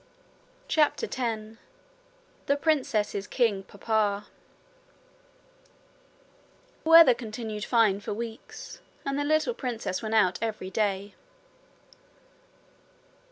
CHAPTER 10 The Princess's King Papa The weather continued fine for weeks, and the little princess went out every day.